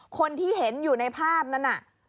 คนที่เห็นอยู่ในภาพนั้นน่ะ